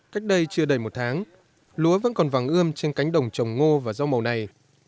cách đây chưa đầy một tháng lúa vẫn còn vàng ươm trên cánh đồng trồng ngô và rau màu này